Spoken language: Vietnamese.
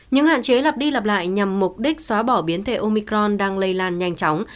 những hạn chế lặp đi lặp lại nhằm mục đích xóa bỏ biến thể omicron đang lây lan nhanh chóng